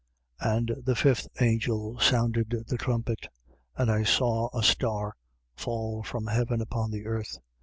9:1. And the fifth angel sounded the trumpet: and I saw a star fall from heaven upon the earth.